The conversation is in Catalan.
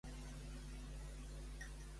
A cada persona l'acompanya un àngel?